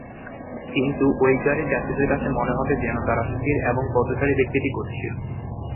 কিন্তু, ঐ গাড়ির যাত্রীদের কাছে মনে হবে যেন, তারা স্থির এবং পথচারী ব্যক্তিটি গতিশীল।